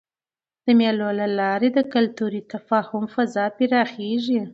د مېلو له لاري د کلتوري تفاهم فضا پراخېږي.